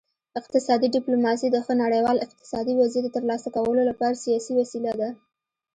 اقتصادي ډیپلوماسي د ښه نړیوال اقتصادي وضعیت د ترلاسه کولو لپاره سیاسي وسیله ده